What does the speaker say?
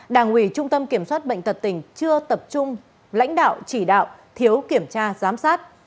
đảng ủy trung tâm kiểm soát bệnh tật tỉnh chưa tập trung lãnh đạo chỉ đạo thiếu kiểm tra giám sát